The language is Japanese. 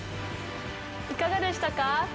いかがでしたか？